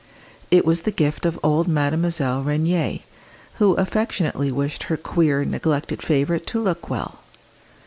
It was the gift of old Mademoiselle Rénier, who affectionately wished her queer, neglected favourite to look well.